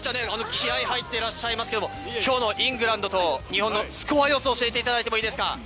気合い入っていらっしゃいますけれども、きょうのイングランドと日本のスコア予想、教えていただいてもよろしいでしょうか？